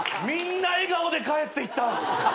みんな笑顔で帰っていった。